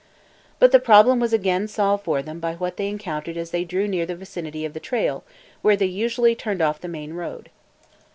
But the problem was again solved for them by what they encountered as they drew near the vicinity of the trail where they usually turned off the main road.